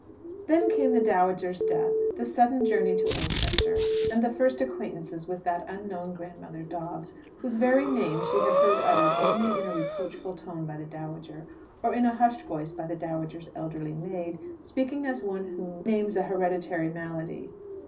Then came the dowager's death, the sudden journey to Oldchester, and the first acquaintance with that unknown Grandmother Dobbs, whose very name she had heard uttered only in a reproachful tone by the dowager, or in a hushed voice by the dowager's elderly maid, speaking as one who names a hereditary malady.